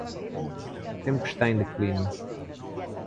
Tempo está em declínio